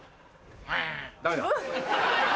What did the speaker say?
ダメだ。